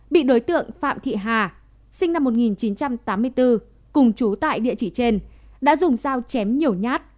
bị đối tượng phạm thị hà sinh năm một nghìn chín trăm tám mươi bốn cùng chú tại địa chỉ trên đã dùng dao chém nhiều nhát